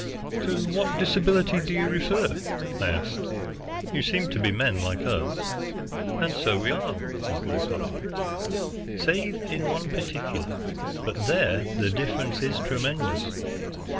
"To what disability do you refer?" I asked. "You seem to be men like us." "And so we are," was the reply, "save in one particular, but there the difference is tremendous.